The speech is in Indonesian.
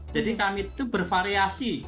jadi kami itu bervariasi